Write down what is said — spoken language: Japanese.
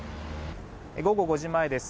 午後５時前です。